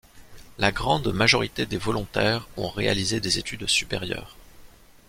La grande majorité des volontaires ont réalisé des études supérieures.